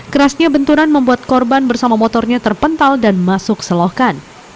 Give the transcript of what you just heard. kerasnya benturan membuat korban bersama motornya terpental dan masuk selokan